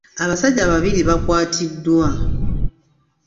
Abasajja babiri bakwatiddwa.